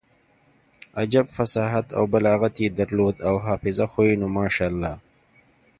عجب فصاحت او بلاغت يې درلود او حافظه خو يې نو ماشاالله.